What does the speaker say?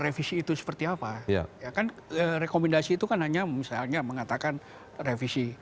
revisi itu seperti apa ya kan rekomendasi itu kan hanya misalnya mengatakan revisi